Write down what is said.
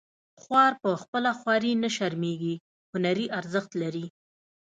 خوار په خپله خواري نه شرمیږي هنري جوړښت لري